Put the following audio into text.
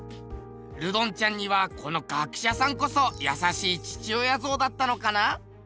ルドンちゃんにはこの学者さんこそ優しい父親像だったのかな？